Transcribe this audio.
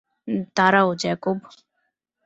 দাঁড়াও, জ্যাকব!